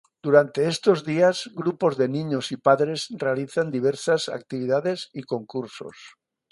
Durante estos días grupos de niños y padres realizan diversas actividades y concursos.